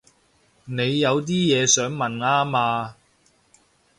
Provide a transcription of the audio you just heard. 你有啲嘢想問吖嘛